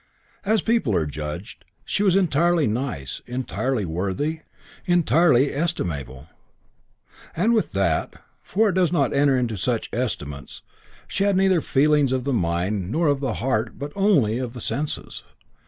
As people are judged, she was entirely nice, entirely worthy, entirely estimable. And with that, for it does not enter into such estimates, she had neither feelings of the mind nor of the heart but only of the senses.